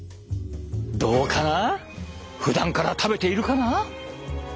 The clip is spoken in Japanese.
どうかな？ふだんから食べているかな？